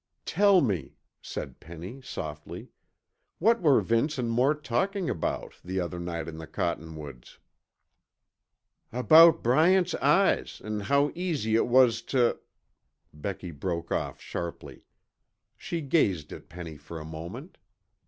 "Tell me," said Penny softly, "what were Vince and Mort talking about, the other night in the cottonwoods?" "About Bryant's eyes an' how easy it was tuh " Becky broke off sharply. She gazed at Penny for a moment.